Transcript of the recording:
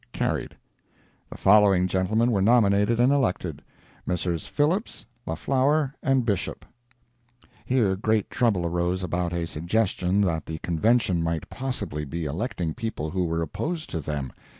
Carried. The following gentlemen were nominated and elected: Messrs. Phillips, La Flower and Bishop. [Here great trouble arose about a suggestion that the Convention might possibly be electing people who were opposed to them.